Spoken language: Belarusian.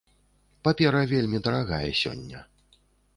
Папера вельмі дарагая сёння.